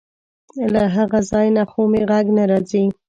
له هغه ځای نه خو مې غږ نه راځي.